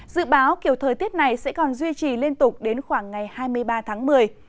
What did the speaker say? dự báo kiểu thời tiết này sẽ còn duy trì liên tục đến khoảng ngày hai mươi ba tháng một mươi